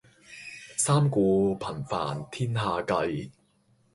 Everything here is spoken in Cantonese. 三顧頻煩天下計